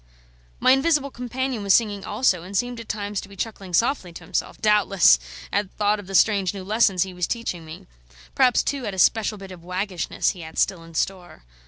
My invisible companion was singing also, and seemed at times to be chuckling softly to himself, doubtless at thought of the strange new lessons he was teaching me; perhaps, too, at a special bit of waggishness he had still in store.